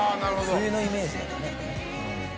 冬のイメージなんだね。